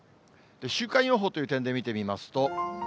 週間予報という点で見てみますと。